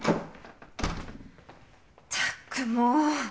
ったくもう！